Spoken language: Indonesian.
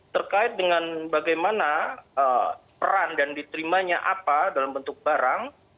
terkait dengan bagaimana peran dan diterimanya apa dalam bentuk barang